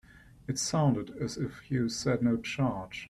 It sounded as if you said no charge.